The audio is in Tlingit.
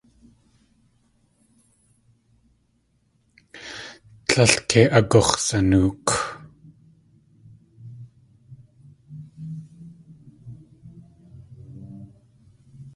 Tlél kei agux̲sanook.